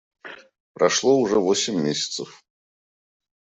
Прошло уже восемь месяцев.